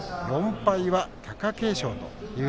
４敗は貴景勝。